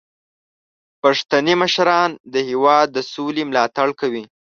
پښتني مشران د هیواد د سولې ملاتړ کوي.